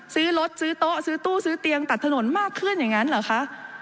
ซื้อรถซื้อโต๊ะซื้อตู้ซื้อเตียงตัดถนนมากขึ้นอย่างนั้นเหรอคะ